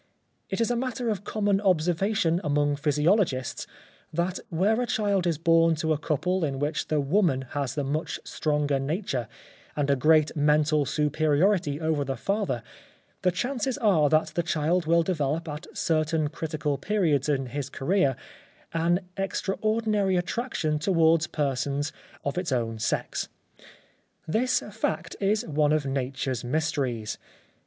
It is a matter of common observation among physiologists that where a child is born to a couple in which the woman has the much stronger nature and a great mental superiority over the father the chances are that that child will develop at certain critical periods in his career an extra ordinary attraction towards persons of its own sex. This fact is one of Nature's mysteries.